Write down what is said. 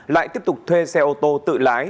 lại tiếp tục thuê xe ô tô tự lái